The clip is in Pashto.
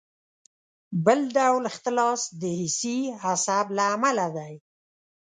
بل ډول اختلال د حسي عصب له امله دی.